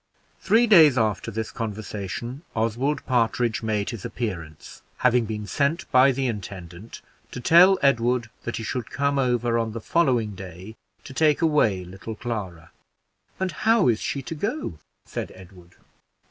Three days after this conversation, Oswald Partridge made his appearance, having been sent by the intendant to tell Edward that he should come over on the following day to take away little Clara. "And how is she to go?" said Edward.